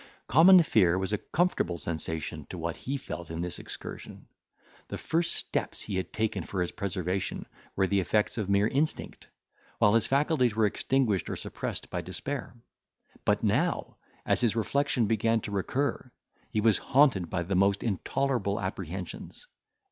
Common fear was a comfortable sensation to what he felt in this excursion. The first steps he had taken for his preservation were the effects of mere instinct, while his faculties were extinguished or suppressed by despair; but now, as his reflection began to recur, he was haunted by the most intolerable apprehensions.